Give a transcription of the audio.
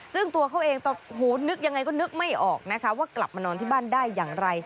ซึ่งตัวเขาเองนึกยังไงก็นึกไม่ออกนะคะว่ากลับมานอนที่บ้านได้อย่างไร